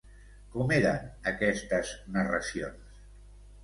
Com eren aquestes narracions?